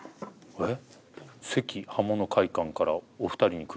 えっ？